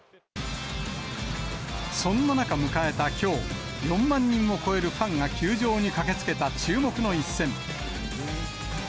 そんな中、迎えたきょう、４万人を超えるファンが球場に駆けつけた注目の一戦。